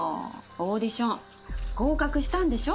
オーディション合格したんでしょ？